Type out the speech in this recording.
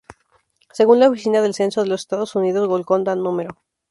Según la Oficina del Censo de los Estados Unidos, Golconda No.